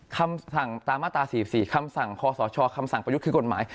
คำสั่งตามมาตรา๔๔คำสั่งคอสชคำสั่งประยุทธ์คือกฎหมาย